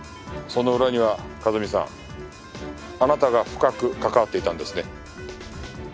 その裏には和美さんあなたが深く関わっていたんですね。